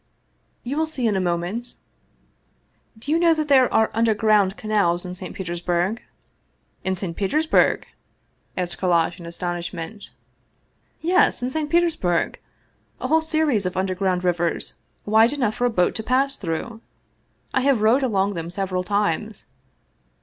" You will see in a moment. Do you know that there are underground canals in St. Petersburg?" " In St. Petersburg? " asked Kallash in astonishment. "Yes, in St. Petersburg! A whole series of under ground rivers, wide enough for a boat to pass through. I have rowed along them several times.